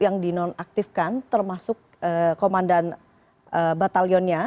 yang dinonaktifkan termasuk komandan batalionnya